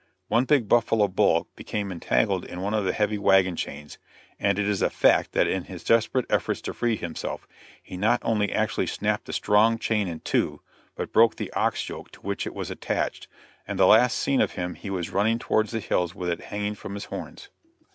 One big buffalo bull became entangled in one of the heavy wagon chains, and it is a fact that in his desperate efforts to free himself, he not only actually snapped the strong chain in two, but broke the ox yoke to which it was attached, and the last seen of him he was running towards the hills with it hanging from his horns.